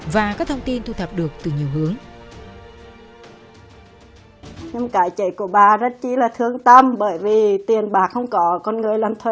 và các thông tin thu thập được từ nhiều hướng